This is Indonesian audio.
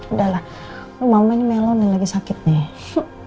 udah lah mama ini meloni lagi sakit nih